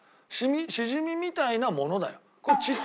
シジミみたいなものだよ。